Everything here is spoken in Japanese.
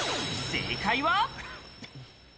正解は。